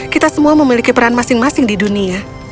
kita semua memiliki peran masing masing di dunia